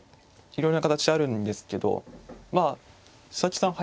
いろいろな形あるんですけどまあ佐々木さん